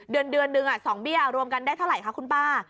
เดือนหนึ่ง๒เบี้ยรวมกันได้เท่าไหร่คะคุณป้า